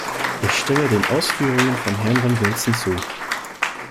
Ich stimme den Ausführungen von Herrn van Velzen zu.